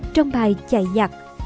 trong bài chạy giặc